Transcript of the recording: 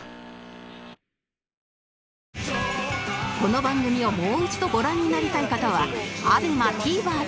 この番組をもう一度ご覧になりたい方は ＡＢＥＭＡＴＶｅｒ で。